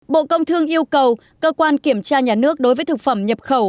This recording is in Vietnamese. bộ công thương yêu cầu cơ quan kiểm tra nhà nước đối với thực phẩm nhập khẩu